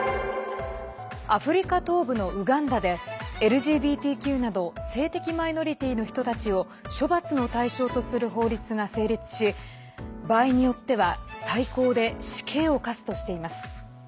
アフリカ東部のウガンダでＬＧＢＴＱなど性的マイノリティーの人たちを処罰の対象とする法律が成立し場合によっては最高で死刑を科すとしています。